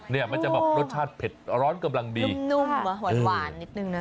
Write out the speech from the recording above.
เนี่ยมันจะแบบรสชาติเผ็ดร้อนกำลังดีนุ่มอ่ะหวานหวานนิดนึงนะ